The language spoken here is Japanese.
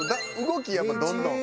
動きやっぱどんどん。